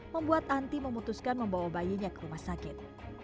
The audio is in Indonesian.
membuat anti memutuskan membawa bayinya ke rumah sakit